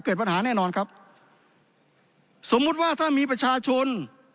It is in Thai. เกิดปัญหาแน่นอนครับสมมุติว่าถ้ามีประชาชน